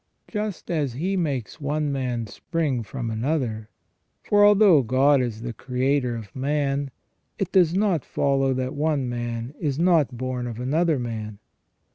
Just as He makes one man spring from another, for although God is the Creator of man, it does not follow that one man is not born of another man.